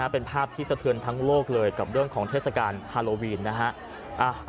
เป็นภาพที่สะเทือนทั้งโลกเลยกับเรื่องของเทศกาลฮาโลวีนนะฮะ